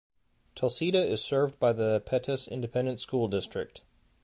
Tulsita is served by the Pettus Independent School District.